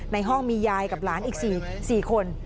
ในห้องมียายกับหลานอีก๔คน